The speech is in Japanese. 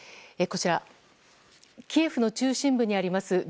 こちらキエフの中心部にあります